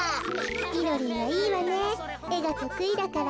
みろりんはいいわねえがとくいだから。